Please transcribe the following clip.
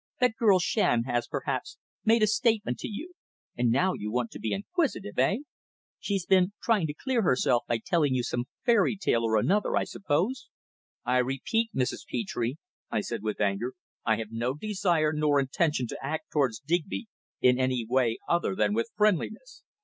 "That girl Shand has, perhaps, made a statement to you, and now you want to be inquisitive, eh? She's been trying to clear herself by telling you some fairy tale or another, I suppose?" "I repeat, Mrs. Petre," I said with anger, "I have no desire nor intention to act towards Digby in any way other than with friendliness."